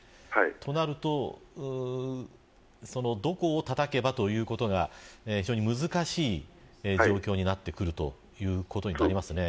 そうなるとどこをたたけば、ということが非常に難しい状況になってくることになりますね。